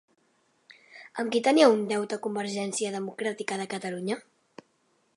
Amb qui tenia un deute Convergència Democràtica de Catalunya?